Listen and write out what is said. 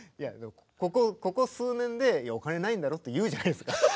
ここ数年で「お金ないんだろ？」って言うじゃないですか